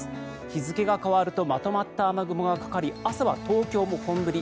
日付が変わるとまとまった雨雲がかかり朝は東京も本降り。